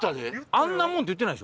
あんなもんって言ってない。